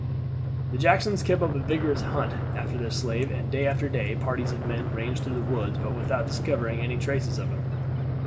The Jacksons kept up a vigorous hunt after their slave and day after day parties of men ranged through the woods but without discovering any traces of him.